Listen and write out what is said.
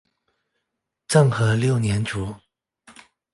政和六年卒。